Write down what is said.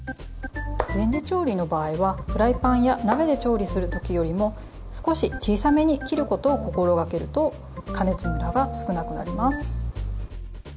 レンジ調理の場合はフライパンや鍋で調理する時よりも少し小さめに切ることを心掛けると加熱ムラが少なくなります。